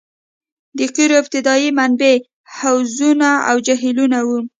د قیرو ابتدايي منبع حوضونه او جهیلونه وو